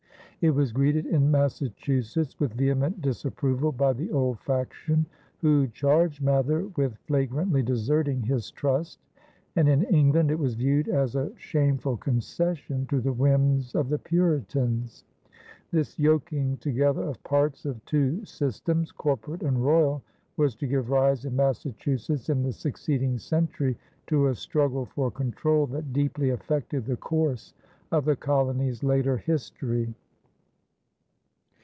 It was greeted in Massachusetts with vehement disapproval by the old faction, who charged Mather with flagrantly deserting his trust; and in England it was viewed as a shameful concession to the whims of the Puritans. This yoking together of parts of two systems, corporate and royal, was to give rise in Massachusetts in the succeeding century to a struggle for control that deeply affected the course of the colony's later history.